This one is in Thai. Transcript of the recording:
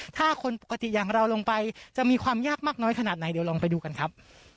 ถ้าคนปกติอย่างเราลงไปจะมีความยากมากน้อยขนาดไหนเดี๋ยวลองไปดูกันครับ